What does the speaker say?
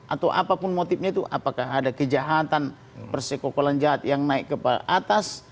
atau apapun motifnya itu apakah ada kejahatan persekokolan jahat yang naik ke atas